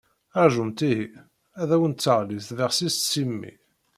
Rajumt ihi, ad awent-d-teɣli tbexsist s imi.